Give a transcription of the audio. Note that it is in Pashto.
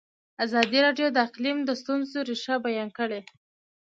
ازادي راډیو د اقلیم د ستونزو رېښه بیان کړې.